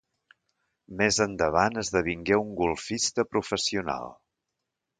Més endavant esdevingué un golfista professional.